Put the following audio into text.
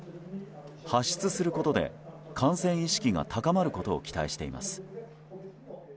発出することで感染意識が高まることを期待しています。